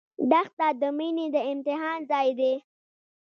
دښته د مینې د امتحان ځای دی.